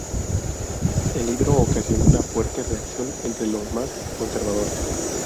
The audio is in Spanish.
El libro ocasionó una fuerte reacción entre los más conservadores.